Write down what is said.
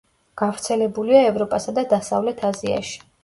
გავრცელებულია ევროპასა და დასავლეთ აზიაში.